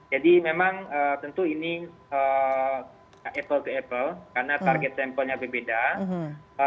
jadi memang tentu ini apple ke apple karena target sampelnya berbeda